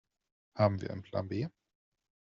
Haben wir einen Plan B?